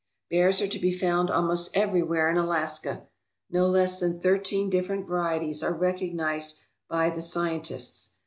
Bears are to be found almost everywhere in Alaska. No less than thirteen different varieties are recognized by the scientists.